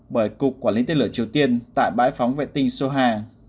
bởi cục quản lý tên lửa triều tiên tại bãi phóng vệ tinh soha